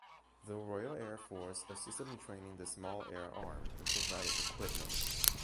The Royal Air Force assisted in training this small air arm and provided equipment.